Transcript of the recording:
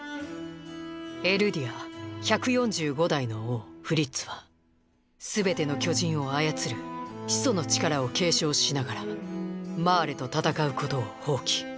エルディア１４５代の王フリッツはすべての巨人を操る「始祖の力」を継承しながらマーレと戦うことを放棄。